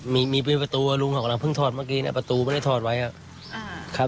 มาครับมีประตูว่ารุงเขากำลังเพิ่งถอดเมื่อกี้ประตูไม่ได้ถอดไว้ครับ